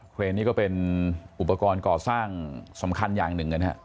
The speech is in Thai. เครนนี่ก็เป็นอุปกรณ์ก่อสร้างสำคัญอย่างหนึ่งนะครับ